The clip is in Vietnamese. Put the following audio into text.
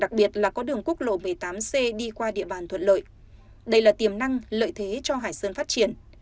đặc biệt là có đường quốc lộ một mươi tám c đi qua địa bàn thuận lợi đây là tiềm năng lợi thế cho hải sơn phát triển